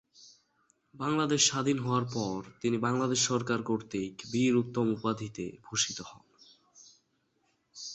বাংলাদেশ স্বাধীন হওয়ার পর তিনি বাংলাদেশ সরকার কর্তৃক বীর উত্তম উপাধিতে ভূষিত হন।